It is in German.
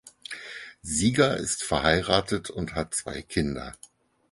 Sieger ist verheiratet und hat zwei Kinder.